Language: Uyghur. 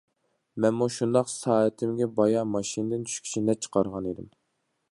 مەنمۇ شۇنداق سائىتىمگە بايا ماشىنىدىن چۈشكىچە نەچچە قارىغان ئىدىم.